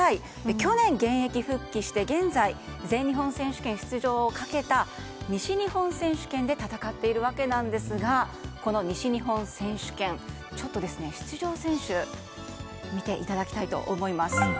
去年、現役復帰して現在、全日本選手権出場をかけた西日本選手権で戦っているわけなんですがこの西日本選手権、出場選手を見ていただきたいと思います。